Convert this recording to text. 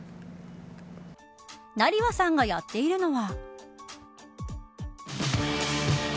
成羽さんがやっているのは。